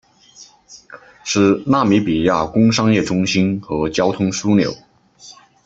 是纳米比亚工商业中心和交通枢纽。